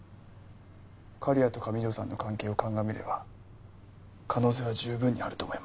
刈谷と上條さんの関係を鑑みれば可能性は十分にあると思いますけど。